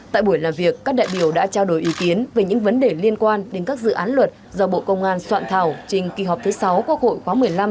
tại buổi làm việc các đại biểu đã trao đổi ý kiến về những vấn đề liên quan đến các dự án luật do bộ công an soạn thảo trình kỳ họp thứ sáu quốc hội khóa một mươi năm